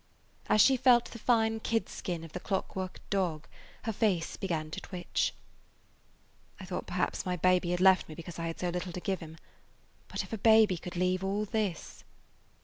As she felt the fine kid skin of the clockwork dog, her face began to twitch. "I thought perhaps my baby had left me because I had so little to give him. But if a baby could leave all this!"